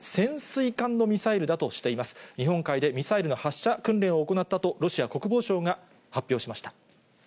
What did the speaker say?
日本海でミサイルの発射訓練を行ったと、ロシア国防省が発表しました。